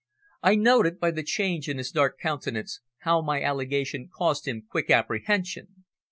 I noted, by the change in his dark countenance, how my allegation caused him quick apprehension.